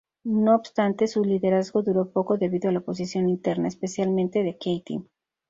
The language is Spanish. No obstante su liderazgo duró poco debido a la oposición interna, especialmente de Keating.